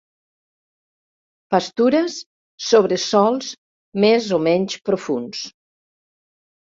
Pastures sobre sòls més o menys profunds.